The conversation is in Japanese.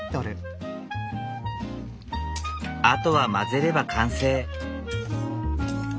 あとは混ぜれば完成。